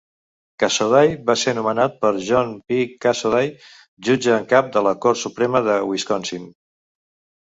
Cassoday va ser nomenat per John B. Cassoday, jutge en cap de la Cort Suprema de Wisconsin.